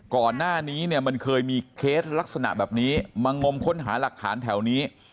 ก่อนหน้านี้เนี่ยมันเคยมีเคสลักษณะแบบนี้มางมค้นหาหลักฐานแถวนี้